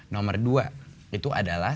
nomor dua itu adalah